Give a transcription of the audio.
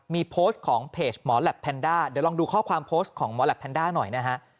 มีโพสต์ของเพจหมอแหลปแพนด้าเดี๋ยวลองดูข้อความโพสต์ของหมอแหลปแนนด้าหน่อยนะฮะ